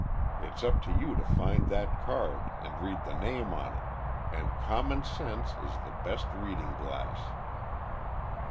It's up to you to find that card and read the name on it. And common sense is the best reading glass."